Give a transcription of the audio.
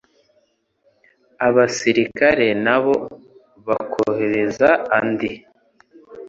abasirikare nabo bakohereza andi,